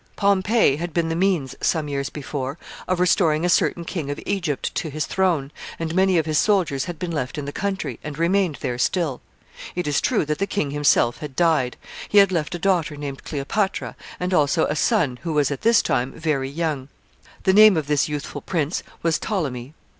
Pompey had been the means, some years before, of restoring a certain king of Egypt to his throne, and many of his soldiers had been left in the country, and remained there still. It is true that the king himself had died. He had left a daughter named Cleopatra, and also a son, who was at this time very young. The name of this youthful prince was Ptolemy.